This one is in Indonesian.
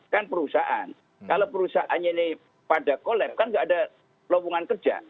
kan perusahaan kalau perusahaan ini pada kolep kan nggak ada pelabungan kerja